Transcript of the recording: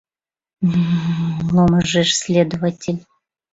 — Мммм... — ломыжеш следователь.